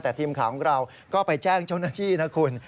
แต่ทีมข่าวของเราก็ไปแจ้งเจ้าหน้าที่นะคุณ